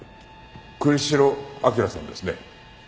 栗城明良さんですね？